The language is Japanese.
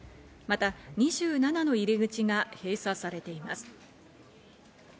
また２７の入り口が閉鎖されています。